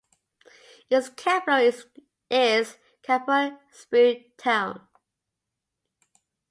Its capital is Kampong Speu town.